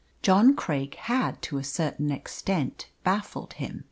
John Craik had to a certain extent baffled him.